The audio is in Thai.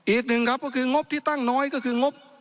อีกหนึ่งครับก็คืองบที่ตั้งน้อยก็คืองบ